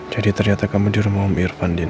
jadi ternyata kamu di rumah om irfan din